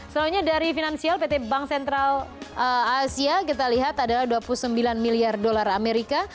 selanjutnya dari finansial pt bank sentral asia kita lihat adalah dua puluh sembilan miliar dolar amerika